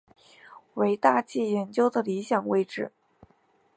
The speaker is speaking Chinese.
为大气研究的理想位置。